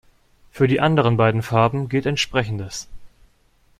Für die anderen beiden Farben gilt entsprechendes.